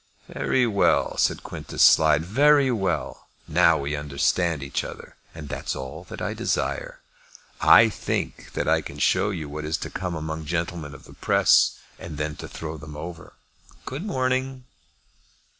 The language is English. "Very well," said Quintus Slide. "Very well! Now we understand each other, and that's all that I desire. I think that I can show you what it is to come among gentlemen of the press, and then to throw them over. Good morning."